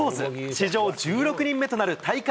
史上１６人目となる大会